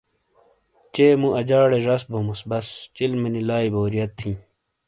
چے مو اجاڑے زش بوموس بس چلمے نی لائئ بوریت ہی